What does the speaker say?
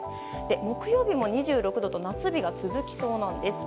木曜日も２６度と夏日が続きそうなんです。